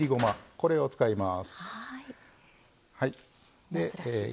これを使います。